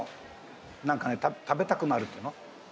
なんかね食べたくなるっていうの？